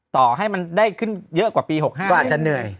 ต่อให้มันได้ขึ้นเยอะกว่าปี๖๕ก็อาจจะเหนื่อย